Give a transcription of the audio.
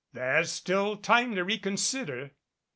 There's still time to reconsider."